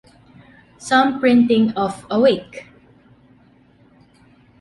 Some printing of Awake!